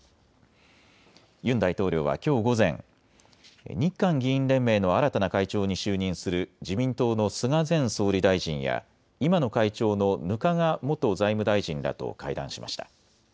ユン大統領はきょう午前、日韓議員連盟の新たな会長に就任する自民党の菅前総理大臣や今の会長の額賀元財務大臣らと会談しました。